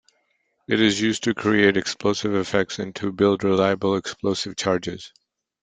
It is used to create explosive effects and to build reliable explosive charges.